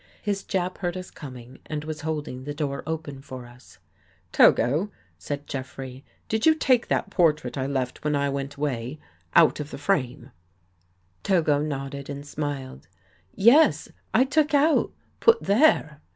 His Jap heard us coming and was holding the door open for us. " Togo," said Jeffrey, " did you take that por trait I left when I went away, out of the frame? " 3 25 THE GHOST GIRL Togo nodded and smiled. " Yes, I took out. Put there."